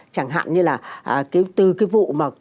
chẳng hạn như là từ cái vụ mà